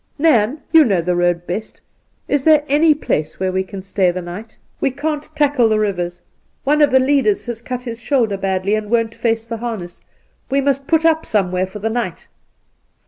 ' Nairn, you know the road best. Is there any place where we can stay the night ? We can't io6 Induna Nairn tackle the rivers. One of the leaders has cut his shoulder badly and won't face the harness. We must put up somewhere for the night